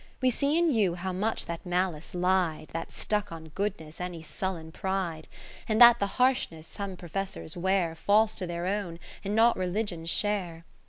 We see in you how much that Malice lied That stuck on goodness any sullen pride ; And that the harshness some pro fessors wear Falls to their own, and not Religion's share.